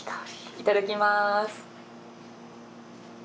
いただきます。